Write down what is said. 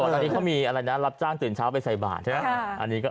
ตอนนี้เขามีอะไรนะรับจ้างตื่นเช้าไปใส่บาทใช่ไหม